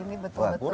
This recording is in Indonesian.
ini untuk harga masuk